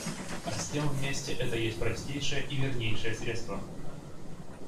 А с тем вместе это есть простейшее и вернейшее средство.